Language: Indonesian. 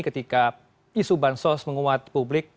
ketika isu bansos menguat publik